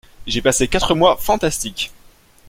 J'ai passé quatre mois fantastiques.